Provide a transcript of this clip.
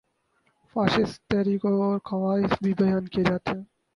Fascist تحریکوں کے اور خواص بھی بیان کیے جاتے ہیں۔